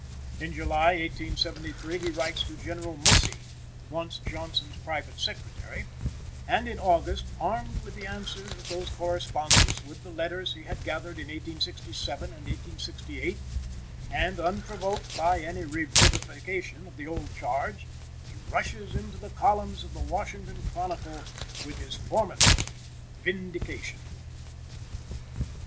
In July, 1873, he writes to General Mussey, once Johnson's private secretary; and, in August, armed with the answers of these correspondents and with the letters he had gathered in 1867 and 1868, and unprovoked by any revivification of the old charge, he rushes into the columns of the Washington Chronicle with his formidable "Vindication."